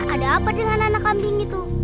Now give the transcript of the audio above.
ada apa dengan anak kambing itu